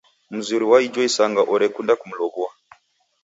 Mzuri wa ijo isanga orekunda kumlow'ua.